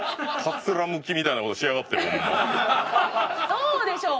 どうでしょう？